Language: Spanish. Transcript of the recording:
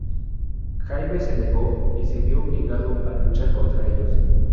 Jaime se negó, y se vio obligado a luchar contra ellos.